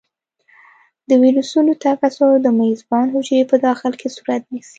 د ویروسونو تکثر د میزبان حجرې په داخل کې صورت نیسي.